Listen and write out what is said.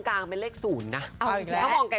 เพราะว่าเลข๕มันเหลือนนะ